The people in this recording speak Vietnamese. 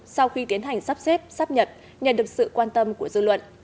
sau khi tiến hành sắp xếp sắp nhật nhận được sự quan tâm của dư luận